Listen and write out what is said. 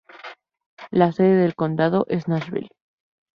La sede del condado es Nashville.